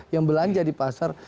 yang belanja di pasar